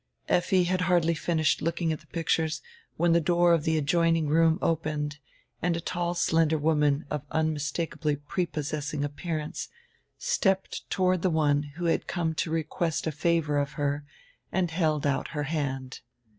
Effi had hardly finished looking at tire pictures when tire door of tire adjoining roonr opened and a tall slender woman of unmistakably prepossessing appearance stepped toward die one who had come to request a favor of her and held out her hand.